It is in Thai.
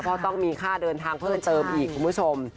เพราะต้องมีค่าเดินทางเพิ่มเติมอีกคุณผู้ชม